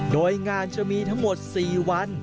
โดยงานจะมีทั้งหมด๔วัน